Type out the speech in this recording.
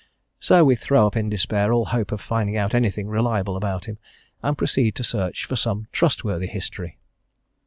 So we throw up in despair all hope of finding out anything reliable about Him, and proceed to search for some trustworthy history.